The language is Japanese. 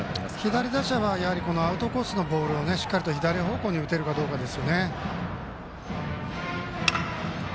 左打者はアウトコースのボールをしっかり左方向に打てるかどうかですね。